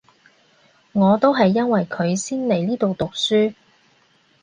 我都係因為佢先嚟呢度讀書